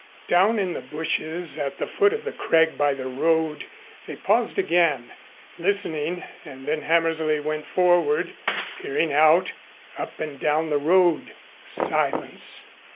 Down in the bushes at the foot of the crag by the road they paused again, listening, and then Hammersley went forward, peering out, up and down the road. Silence.